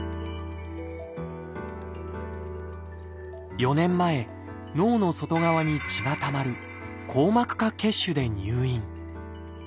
４年前脳の外側に血がたまる「硬膜下血腫」で入院。